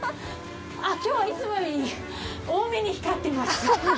今日はいつもより多めに光ってます。